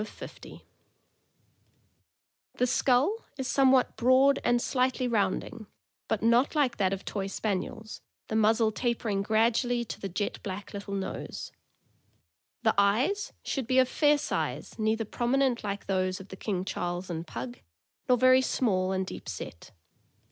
5 Total 50 The skull is somewhat broad and slightly rounding, but not like that of Toy Spaniels, the muzzle tapering gradually to the jet black little nose. The eyes should be of fair size, neither prominent like those of the King Charles and Pug, nor very small and deep set.